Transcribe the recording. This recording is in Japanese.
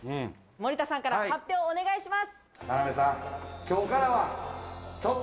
森田さんから発表をお願いします。